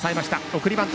送りバント